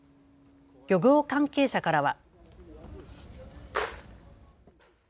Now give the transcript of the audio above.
漁業関係者からは。